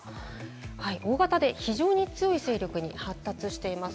大型で非常に強い勢力に発達しています。